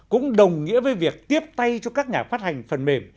cũng đồng nghĩa với việc tiếp tay cho các nhà phát hành phần mềm